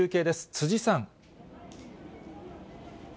辻さん。